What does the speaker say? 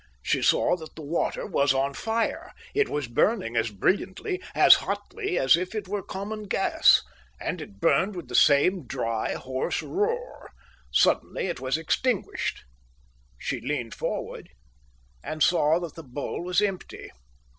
She saw that the water was on fire. It was burning as brilliantly, as hotly, as if it were common gas; and it burned with the same dry, hoarse roar. Suddenly it was extinguished. She leaned forward and saw that the bowl was empty.